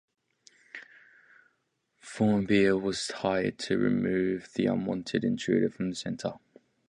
Faunabeheer was hired to remove the unwanted intruder from the centre.